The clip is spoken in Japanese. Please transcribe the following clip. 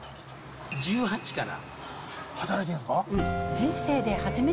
１８から。